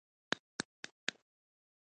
ګړنجونې د قیزې را ګړنجوي